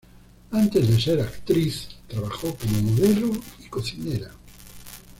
Antes de ser actriz, trabajó como modelo y cocinera.